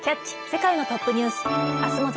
世界のトップニュース」。